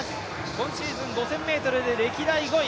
今シーズン、５０００ｍで歴代２位。